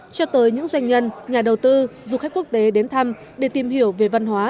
cho tới những doanh nhân nhà đầu tư du khách quốc tế đến thăm để tìm hiểu về văn hóa